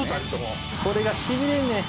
これがしびれるねん。